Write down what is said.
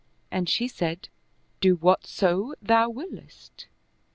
And she said, "Do whatso thou wiliest."